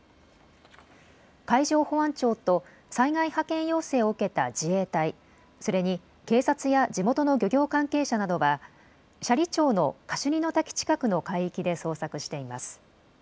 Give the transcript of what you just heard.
海上保安庁と災害派遣要請を受けた自衛隊、それに警察や地元の漁業関係者などは斜里町のカシュニの滝近くの海域で捜索しています。